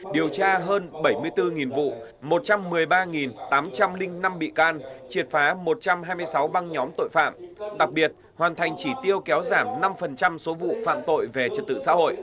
điều tra hơn bảy mươi bốn vụ một trăm một mươi ba tám trăm linh năm bị can triệt phá một trăm hai mươi sáu băng nhóm tội phạm đặc biệt hoàn thành chỉ tiêu kéo giảm năm số vụ phạm tội về trật tự xã hội